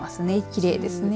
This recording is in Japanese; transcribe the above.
きれいですね。